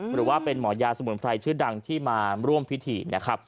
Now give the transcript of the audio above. หรือว่าเป็นหมอยาสมุนไพรชื่อดังที่มาร่วมพิธีนะครับ